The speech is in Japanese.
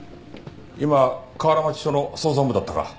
今河原町署の捜査本部だったか。